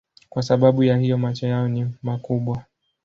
Kwa sababu ya hiyo macho yao ni makubwa.